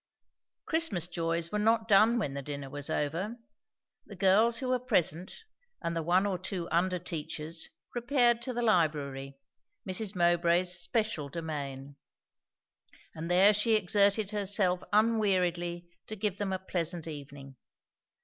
Christmas joys were not done when the dinner was over. The girls who were present, and the one or two under teachers, repaired to the library, Mrs. Mowbray's special domain; and there she exerted herself unweariedly to give them a pleasant evening.